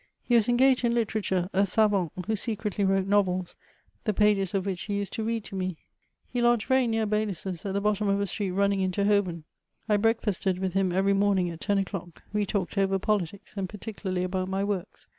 He was engaged in literature, a savanfy who secretly wrote novels, the pages of which he used toread to me. He lodged very near Baylu's, at the bottom of a street running into HoIIxhil I breakfasted with him every morning at ten o'clock ; we talked over politics, and particularly about my works.